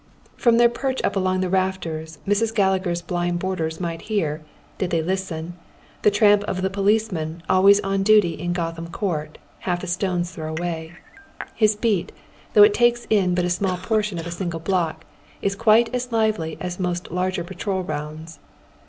From their perch np among the rafters Mi s. Gallagher's oy Google ,..,, Cooole THE DOWN TOWN BACK ALLEYS. 35 blind boardei'S might liear, did they listen, the tramp of the policeman always on duty in Gotliam Coui't, half a stone's throw away. Ilia heat, though it takes in but a small portion of a single block, is quite as lively as most larger patrol rounds.